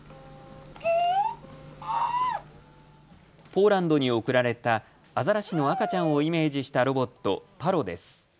ポーランドに贈られたアザラシのの赤ちゃんをイメージしたロボット、パロです。